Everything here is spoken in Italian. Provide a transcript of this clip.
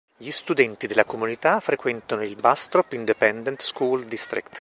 Gli studenti della comunità frequentano il Bastrop Independent School District.